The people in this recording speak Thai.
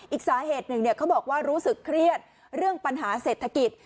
อีกสาเหตุหนึ่งเขาบอกว่ารู้สึกเครียดเรื่องปัญหาเศรษฐกิจ